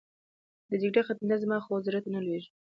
د جګړې ختمېدل، زما خو زړه ته نه لوېږي.